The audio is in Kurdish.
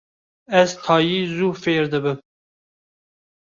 Ez tayî zû fêr dibim.